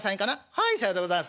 「はいさようでございますね。